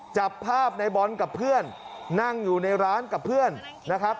จับภาพในบอลกับเพื่อนนั่งอยู่ในร้านกับเพื่อนนะครับ